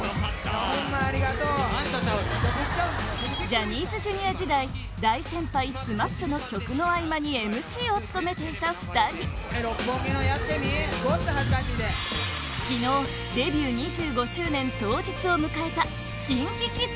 ジャニーズＪｒ．時代大先輩ＳＭＡＰの曲の合間にＭＣを務めていた２人昨日、デビュー２５周年当日を迎えた